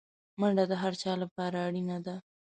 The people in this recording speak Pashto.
منډه د هر چا لپاره اړینه ده